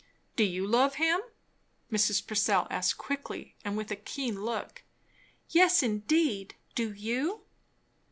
"Do you love him?" Mrs. Purcell asked quickly and with a keen look. "Yes, indeed. Do you?"